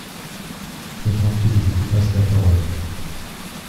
Sois tranquille, je te passe parole.